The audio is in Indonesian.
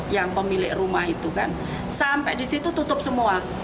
yang pemilik rumah itu kan sampai disitu tutup semua